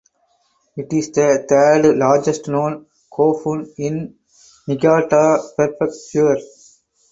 It is the third largest known "kofun" in Niigata Prefecture.